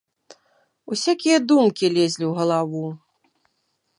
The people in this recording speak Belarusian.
Усякія думкі лезлі ў галаву.